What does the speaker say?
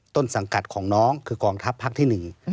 ต้นสังกัดของน้องคือกองทัพภาคที่๑